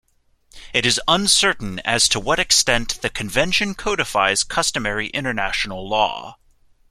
It is uncertain as to what extent the Convention codifies customary international law.